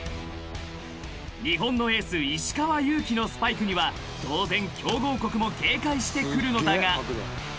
［日本のエース石川祐希のスパイクには当然強豪国も警戒してくるのだが］